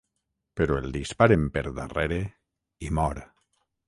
Però el disparen per darrere i mor.